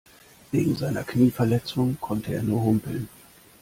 Wegen seiner Knieverletzung konnte er nur humpeln.